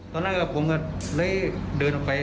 ตอนนั้นครับผมก็เลยเดินออกไป